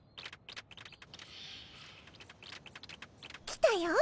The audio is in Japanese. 来たよ。